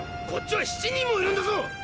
こっちは７人もいるんだぞ。